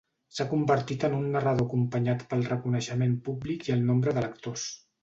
S'ha convertit en un narrador acompanyat pel reconeixement públic i el nombre de lectors.